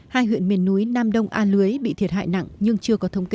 hai huyện miền núi nam đông a lưới bị thiệt hại nặng nhưng chưa có thông kê